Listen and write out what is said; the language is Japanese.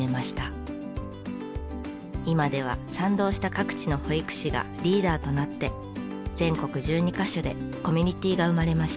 今では賛同した各地の保育士がリーダーとなって全国１２カ所でコミュニティーが生まれました。